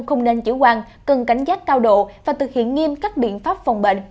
không nên chữ quan cần cảnh giác cao độ và thực hiện nghiêm cắt biện pháp phòng bệnh